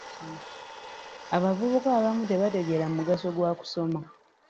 Abavubuka abamu tebategeera mugaso gwa kusoma.